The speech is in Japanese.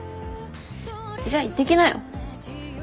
じゃあ行ってきなよ。